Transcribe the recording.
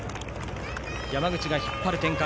山口が引っ張る展開。